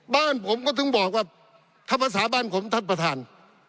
บ้านผมก็ถึงบอกว่าธรรมศาสตร์บ้านผมท่านประธาน